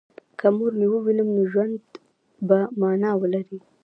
که مور مې ووینم نو ژوند به مانا ولري